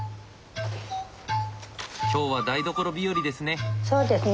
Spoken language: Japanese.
今日は台所日和ですね。